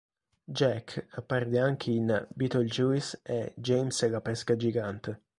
Jack apparve anche in "Beetlejuice" e "James e la pesca gigante".